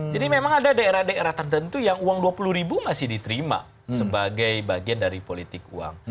jadi memang ada daerah daerah tertentu yang uang dua puluh ribu masih diterima sebagai bagian dari politik uang